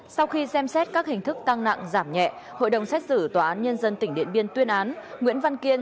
sau khi xem xét các hình thức tăng nặng giảm nhẹ hội đồng xét xử tòa án nhân dân tỉnh điện biên tuyên án nguyễn văn kiên